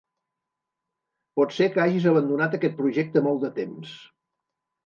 Pot ser que hagis abandonat aquest projecte molt de temps.